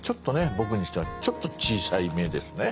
僕にしてはちょっと小さめですね。